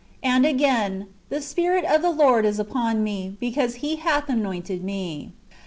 And again :" The Spirit of the Lord is upon me, ' because He hath anointed me."